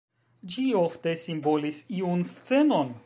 Ĝi ofte simbolis iun scenon.